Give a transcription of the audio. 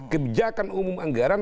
kebijakan umum anggaran